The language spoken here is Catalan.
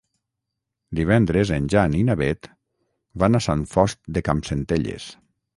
Divendres en Jan i na Beth van a Sant Fost de Campsentelles.